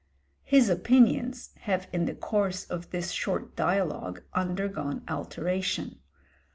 His opinions have in the course of this short dialogue undergone alteration.